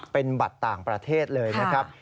เป็นบัตรต่างประเทศเลยนะครับ